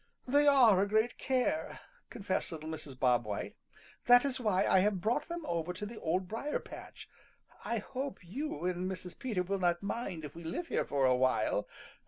"They are a great care," confessed little Mrs. Bob White. "That is why I have brought them over to the Old Briar patch. I hope you and Mrs. Peter will not mind if we live here for a while.